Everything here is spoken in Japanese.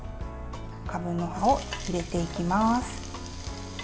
かぶの葉を入れていきます。